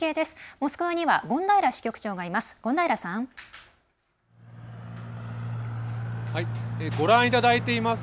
モスクワには権平支局長がいます。